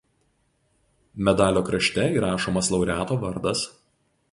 Medalio krašte įrašomas laureato vardas.